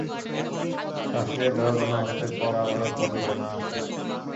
শাসিয়ে দাও যেন আজকের পর আর আমাদের পল্লীতে না আসে।